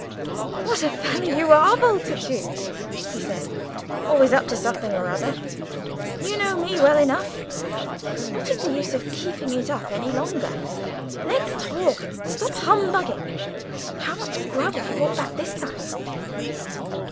"What a fellow you are, Bultitude!" he said; "always up to something or other. You know me well enough. What is the use of keeping it up any longer? Let's talk, and stop humbugging. How much grub have you brought back this time?"